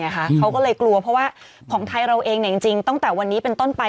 เขาก็เลยกลัวเพราะว่าของไทยเราเองจริงตั้งแต่วันนี้เป็นต้นไป